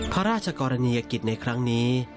พระราชกรณียกิจในครั้งนี้